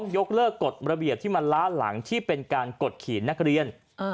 ยกเลิกกฎระเบียบที่มันล้าหลังที่เป็นการกดขีดนักเรียน